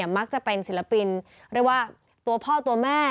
มักจะเป็นศิลปินเรียกว่าตัวพ่อตัวแม่